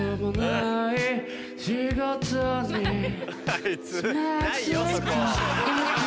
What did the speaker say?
あいつ。